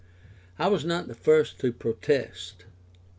I was not the first to protest.